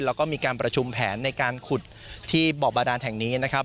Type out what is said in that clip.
แล้วก็มีการประชุมแผนในการขุดที่บ่อบาดานแห่งนี้นะครับ